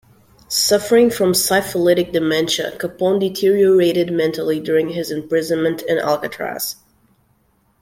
Suffering from syphilitic dementia, Capone deteriorated mentally during his imprisonment in Alcatraz.